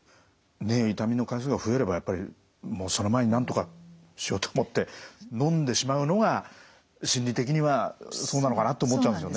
痛みの回数が増えればやっぱりその前になんとかしようと思ってのんでしまうのが心理的にはそうなのかなと思っちゃうんですよね。